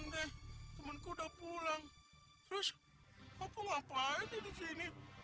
dan aku akan selalu menunggu kamu setia di sini